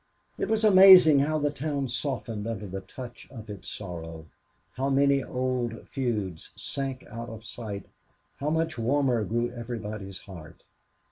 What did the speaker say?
It was amazing how the town softened under the touch of its sorrow, how many old feuds sank out of sight, how much warmer grew everybody's heart.